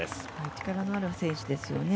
力のある選手ですよね。